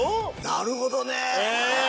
なるほどね！